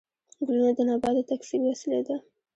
ګلونه د نبات د تکثیر وسیله ده